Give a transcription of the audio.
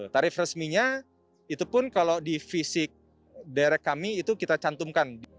tarif resminya itu pun kalau di fisik direct kami itu kita cantumkan